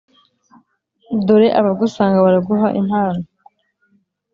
dore abagusanga baraguha impano